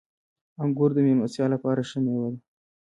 • انګور د میلمستیا لپاره ښه مېوه ده.